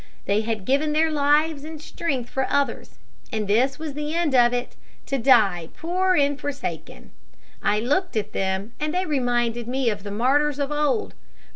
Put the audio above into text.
They had given their lives and strength for others, and this was the end of it to die poor and forsaken. I looked at them, and they reminded me of the martyrs of old.